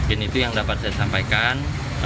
itu yang dapat saya sampaikan